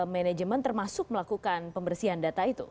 manajemen termasuk melakukan pembersihan data itu